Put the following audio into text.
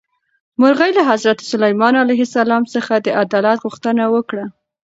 مرغۍ له حضرت سلیمان علیه السلام څخه د عدالت غوښتنه وکړه.